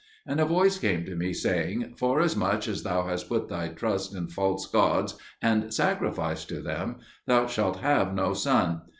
And a voice came to me saying, "Forasmuch as thou hast put thy trust in false gods and sacrificed to them, thou shalt have no son.